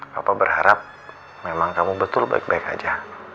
bapak berharap memang kamu betul baik baik aja